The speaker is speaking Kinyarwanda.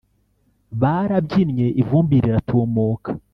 barabyinnye ivumbi riratumuka